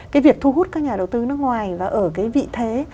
cái việc thu hút các nhà đầu tư nước ngoài và ở cái vị thế